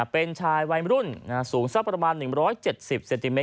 เป็นชายวัยมรุ่นสูงสักประมาณ๑๗๐เซนติเมต